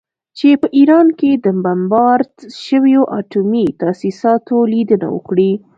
چې په ایران کې د بمبارد شویو اټومي تاسیساتو لیدنه وکړي